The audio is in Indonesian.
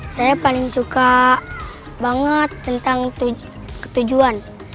saya paling suka banget tentang ketujuan